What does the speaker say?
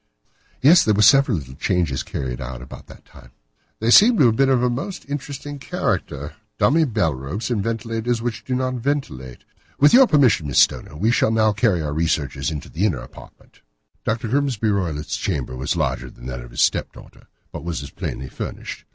"Yes, there were several little changes carried out about that time." "They seem to have been of a most interesting character—dummy bell ropes, and ventilators which do not ventilate. With your permission, Miss Stoner, we shall now carry our researches into the inner apartment." Dr. Grimesby Roylott's chamber was larger than that of his step daughter, but was as plainly furnished.